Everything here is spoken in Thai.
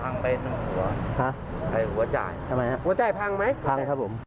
หัวใจพังไหมพังครับผม